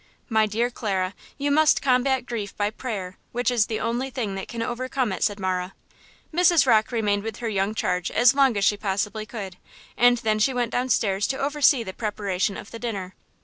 "My dear Clara, you must combat grief by prayer, which is the only thing that can overcome it," said Marah. Mrs. Rocke remained with her young charge as long as she possibly could, and then she went down stairs to oversee the preparation of the dinner.